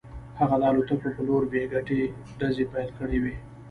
هغه د الوتکو په لور بې ګټې ډزې پیل کړې وې